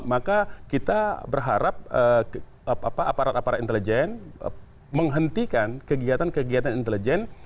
maka kita berharap aparat aparat intelijen menghentikan kegiatan kegiatan intelijen